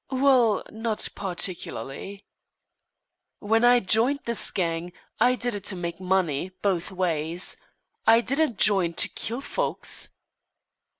"Well, not particularly." "When I joined this gang, I did it to make money, both ways. I didn't join to kill folks."